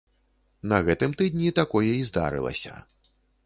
На гэтым тыдні такое і здарылася.